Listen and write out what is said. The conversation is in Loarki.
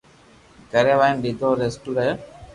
گھري وائيين ايتو روتو ڪي اسڪول ري